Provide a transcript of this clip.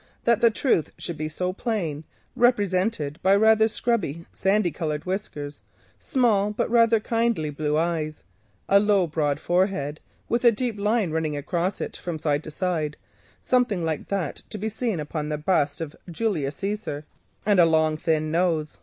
that the truth should be so plain—represented by somewhat scrubby sandy coloured whiskers, small but kindly blue eyes, a low broad forehead, with a deep line running across it from side to side, something like that to be seen upon the busts of Julius Caesar, and a long thin nose.